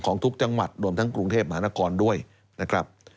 ของทุกจังหวัดรวมทั้งกรุงเทพมหานครด้วยนะครับ